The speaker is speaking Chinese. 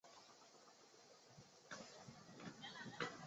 这肯定有前途